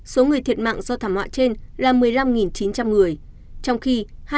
số người thiệt mạng do thảm họa trên là một mươi năm chín trăm linh người trong khi hai năm trăm hai mươi người mất tích